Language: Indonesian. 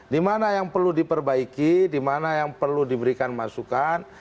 dimana yang perlu diperbaiki dimana yang perlu diberikan masukan